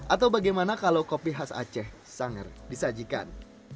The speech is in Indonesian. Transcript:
atau bagaimana kalau kopi khas aceh sanger disajikan